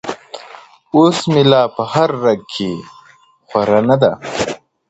اوس مي لا په هر رگ كي خـوره نـــه ده,